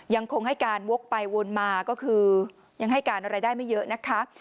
ยังคงให้การวกไปวนมาก็คือยังให้การอะไรได้ไม่เยอะนะคะ